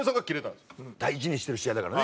大事にしてる試合だからね。